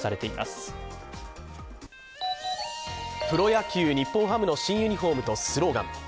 プロ野球・日本ハムの新ユニフォームとスローガン。